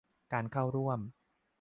การเข้าร่วม